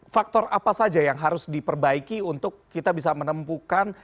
faktor apa saja yang harus diperbaiki untuk kita bisa menempuhkan